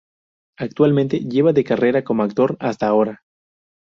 Actualmente lleva de carrera como actor hasta ahora.